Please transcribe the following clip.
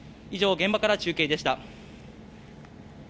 以上、現場から中継でした。